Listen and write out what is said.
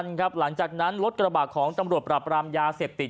น้ำมันครับหลังจากนั้นรถกระบาดของตำรวจปรับรามยาเสพติด